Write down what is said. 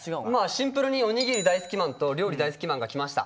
シンプルにおにぎり大好きマンと料理大好きマンが来ました。